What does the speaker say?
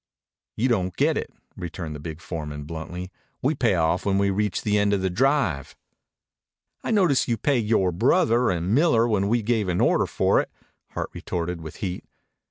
"You don't get it," returned the big foreman bluntly. "We pay off when we reach the end of the drive." "I notice you paid yore brother and Miller when we gave an order for it," Hart retorted with heat.